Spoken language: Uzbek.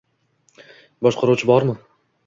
Boshqaruvchi bormi?